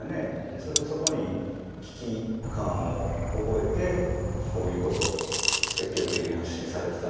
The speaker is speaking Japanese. それをそこに危機感を覚えてこういうことを積極的に発信されてたのかもしれないですね。